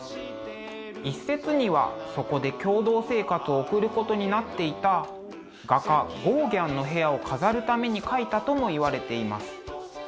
一説にはそこで共同生活を送ることになっていた画家ゴーギャンの部屋を飾るために描いたともいわれています。